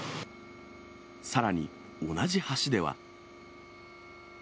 さらに同じ橋では。